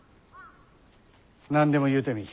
何でも言うてみい。